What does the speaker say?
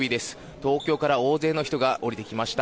東京から大勢の人が降りてきました。